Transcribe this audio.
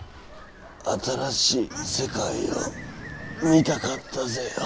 新しい世界を見たかったぜよ。